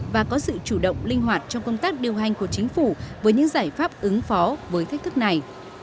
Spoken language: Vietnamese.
và có sự chủ động linh hoạt trong công tác điều hành của chính phủ với những giải pháp ứng phó với thách thức này